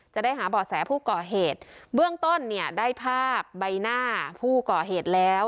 จะได้หาบ่อแสผู้ก่อเหตุเบื้องต้นเนี่ยได้ภาพใบหน้าผู้ก่อเหตุแล้ว